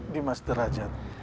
di mas derajat